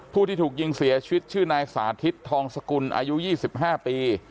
ผู้ที่ถูกยิงเสียชีวิตชื่อนายสาธิตทองสกุลอายุ๒๕ปี